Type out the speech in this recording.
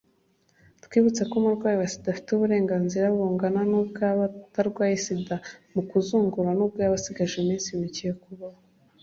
twibutse ko umurwayi wa sida afite uburenganzira bungana nubw’abatarwaye sida mu kuzungura, nubwo yaba ashigaje iminsi micye yo kubaho.